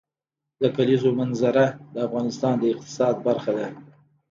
د کلیزو منظره د افغانستان د اقتصاد برخه ده.